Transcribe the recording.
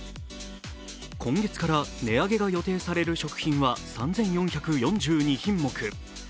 今月から値上げが予定される食品は３４４２品目。